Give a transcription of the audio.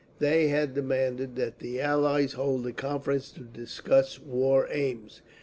They had demanded that the Allies hold a conference to discuss war aims.